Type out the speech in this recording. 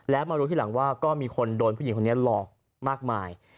แล้วมารู้ทีหลังว่าก็มีคนโดนผู้หญิงคนนี้หลอกมากมาย